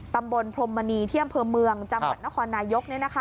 ตำบลพรมณีเที่ยมเพิ่มเมืองจังหวัดนครนายก